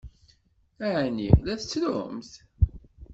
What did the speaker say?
Ɛni la tettrumt?